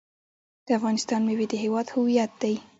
د افغانستان میوې د هیواد هویت دی.